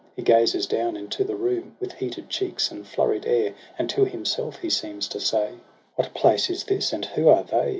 He gazes down into the room With heated cheeks and flurried air. And to himself he seems to say: ' What place is this, and who are they?